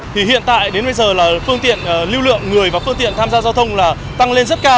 thì hiện tại đến bây giờ là phương tiện lưu lượng người và phương tiện tham gia giao thông là tăng lên rất cao